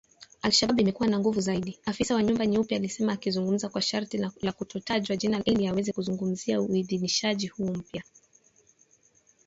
Al-Shabaab imekuwa na nguvu zaidi, afisa wa nyumba nyeupe alisema akizungumza kwa sharti la kutotajwa jina ili aweze kuzungumzia uidhinishaji huo mpya.